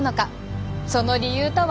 その理由とは。